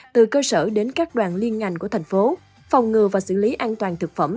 từ cơ sở đến các đoàn liên ngành của thành phố phòng ngừa và xử lý an toàn thực phẩm